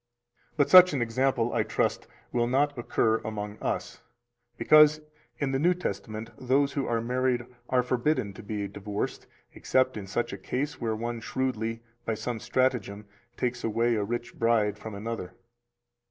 306 But such an example, I trust, will not occur among us, because in the New Testament those who are married are forbidden to be divorced, except in such a case where one [shrewdly] by some stratagem takes away a rich bride from another.